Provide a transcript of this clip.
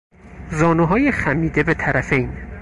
زانوهای خمیده به طرفین